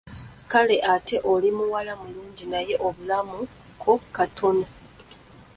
Kale ate oli muwala mulungi naye obulamu kko katono.